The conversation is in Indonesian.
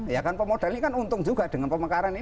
ya kan pemodalnya kan untung juga dengan pemekaran ini